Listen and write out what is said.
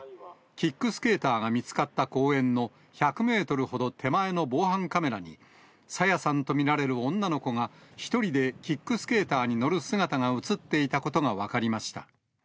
キックスケーターが見つかった公園の１００メートルほど手前の防犯カメラに、朝芽さんと見られる女の子が、１人でキックスケーターに乗る姿が写っていたことが分かりました。